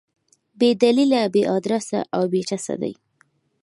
بې دلیله، بې ادرسه او بې ټسه دي.